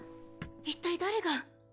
一体誰が。